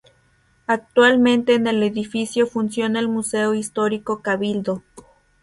Actualmente en el edificio funciona el Museo Histórico Cabildo.